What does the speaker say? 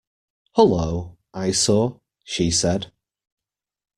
"Hullo, eyesore," she said.